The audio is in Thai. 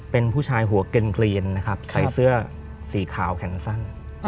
เป็นผู้ชายหัวกรีนใส่เสื้อสีขาวแขนสั้น